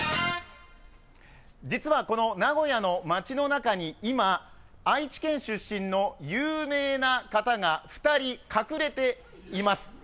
実はこの名古屋の街の中に今、愛知県出身の有名な方が２人隠れています。